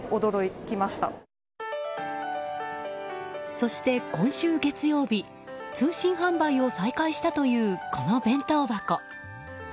そして、今週月曜日通信販売を再開したというこの弁当箱。